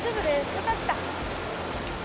よかった。